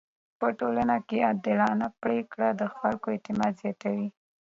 په ټولنه کي عادلانه پریکړه د خلکو اعتماد زياتوي.